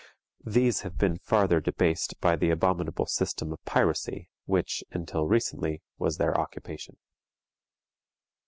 These have been farther debased by the abominable system of piracy, which, until recently, was their occupation.